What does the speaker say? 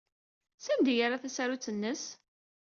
Sanda ay yerra tasarut-nnes?